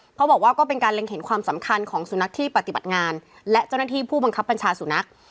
เพราะบอกว่าก็เป็นการเล็งเห็นความสำคัญของสุนัขที่ปฏิบัติงานและเจ้าหน้าที่ผู้บังคับบัญชาสุนัข